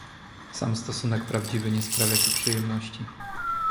Sam stosunek prawdziwy nie sprawia ci przyjemności.